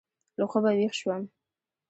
له خوبه وېښ شوم.